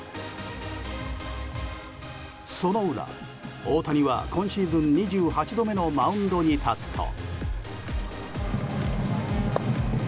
その裏、大谷は今シーズン２８度目のマウンドに立つと。